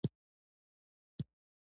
لاس پنځه ویشت هډوکي لري.